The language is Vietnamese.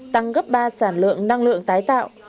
tăng gấp ba sản lượng năng lượng tái tạo